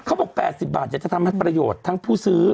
ซึ่งวันนี้นะครับเขาบอก๘๐บาทจะทำให้ประโยชน์ทั้งผู้ซื้อ